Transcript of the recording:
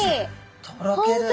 とろける。